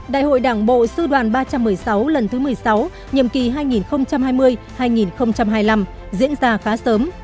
đại hội đảng bộ sư đoàn ba trăm một mươi sáu lần thứ một mươi sáu nhiệm kỳ hai nghìn hai mươi hai nghìn hai mươi năm diễn ra khá sớm